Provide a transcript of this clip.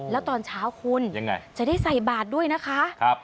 แล้วตอนเช้าคุณยังไงจะได้ใส่บาทด้วยนะคะ